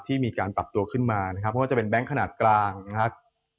มีการปรับตัวขึ้นมานะครับเพราะว่าจะเป็นแก๊งขนาดกลางนะครับ